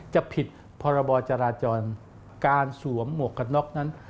จะผิดพรบจราจรการสวมหมวกกันน็อกนั้น